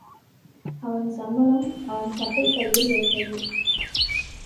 அவன் சம்பளம், அவன் சட்டைப்பையில் இருந்தது.